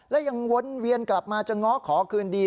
และยังวนเวียนกลับมาจะง้อขอคืนดี